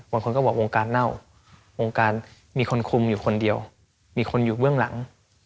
บางคนก็บอกวงการเน่าวงการมีคนคุมอยู่คนเดียวมีคนอยู่เบื้องหลัง